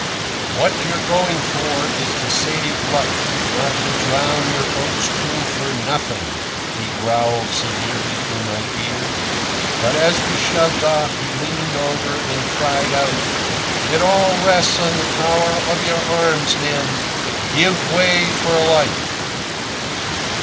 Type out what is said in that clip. "What you're going for is to save life, not to drown your boat's crew for nothing," he growled severely in my ear. But as we shoved off he leaned over and cried out: "It all rests on the power of your arms, men. Give way for life!"